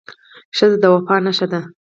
ښځه د وفا نښه ده.